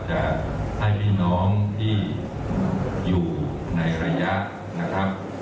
จะให้พี่น้องที่อยู่ในระยะนะครับ